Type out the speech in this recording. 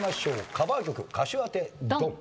カバー曲歌手当てドン！